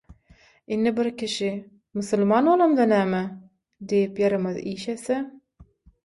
Indi bir kişi: «Musulman bolamda näme?» diýip ýaramaz iş etse